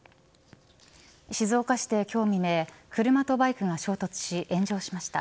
静岡市で今日未明車とバイクが衝突し炎上しました。